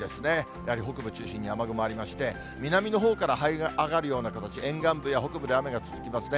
やはり北部中心に雨雲ありまして、南のほうからはい上がるような形、沿岸部や北部で雨が続きますね。